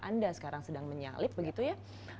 anda sekarang sedang menyalip begitu ya